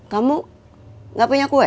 kamu nggak punya kue